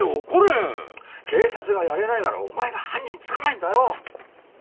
警察がやれないならお前が犯人捕まえるんだよ！